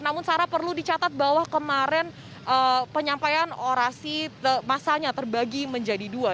namun sarah perlu dicatat bahwa kemarin penyampaian orasi masanya terbagi menjadi dua